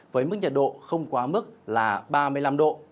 với mức nhiệt độ không quá mức là ba mươi năm độ